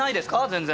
全然。